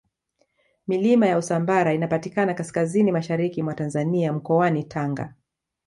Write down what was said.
milima ya usambara inapatikana kaskazini mashariki mwa tanzania mkoani tanga